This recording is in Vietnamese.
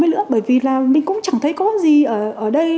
nhóm ấy nữa bởi vì là mình cũng chẳng thấy có gì ở đây